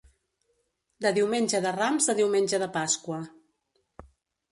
De Diumenge de Rams a Diumenge de Pasqua.